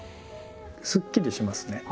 すっきりしますね。